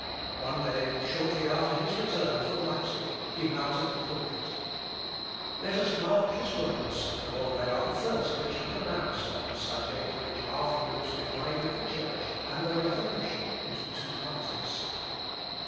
One day, shortly after his return from Leipsic, he mounted the pulpit. Let us mark his words, for they are the first which he pronounced, on a subject which afterwards divided the Church and the Reformation into two parties.